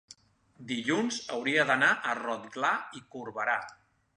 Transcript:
Dilluns hauria d'anar a Rotglà i Corberà.